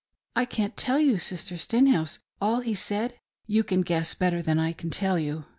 I can't tell you, Sister Stenhouse, all he said — ^you can guess better than I can tell you.